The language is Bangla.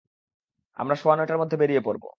আমরা সোয়া নটার মধ্যে বেরিয়ে পড়ব।